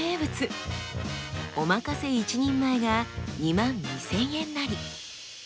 おまかせ１人前が２万２，０００円なり。